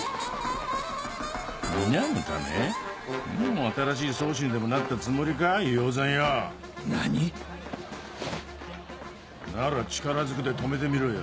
もう新しい宗師にでもなったつもりか猪王山よ。何？なら力ずくで止めてみろよ。